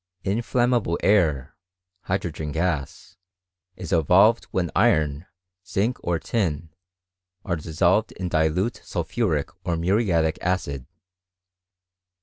I Inflammable air (hydrog; en gas) is evolved when I iron, zinc, or tin, are dissolved in dilute sulphutic or '' muriatic acid.